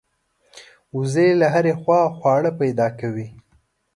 وزې له هرې خوا خواړه پیدا کوي